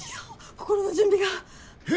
心の準備が。へ！